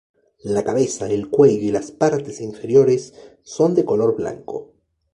La cabeza, el cuello y las partes inferiores son de color blanco.